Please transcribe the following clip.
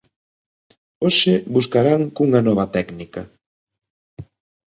Hoxe buscarán cunha nova técnica.